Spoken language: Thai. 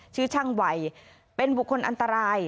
ชื่อช่างวัยเป็นบุคคลอันตราย